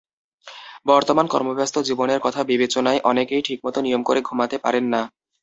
বর্তমান কর্মব্যস্ত জীবনের কথা বিবেচনায় অনেকেই ঠিকমতো নিয়ম করে ঘুমাতে পারেন না।